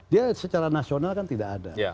dia secara nasional kan tidak ada